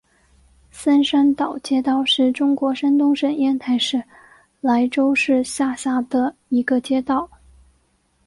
三山岛街道是中国山东省烟台市莱州市下辖的一个街道。